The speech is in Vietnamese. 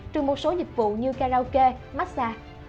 trừ một số dịch vụ như karaoke massage